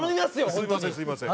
すみませんすみません。